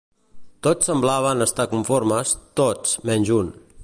Tots semblaven estar conformes, tots, menys un.